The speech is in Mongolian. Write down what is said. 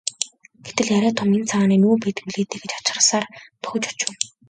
Гэтэл арай том энэ цагаан нь юу байдаг билээ дээ гэж хачирхсаар дөхөж очив.